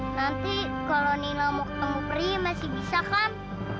nanti kalau nila mau ketemu pri masih bisa kan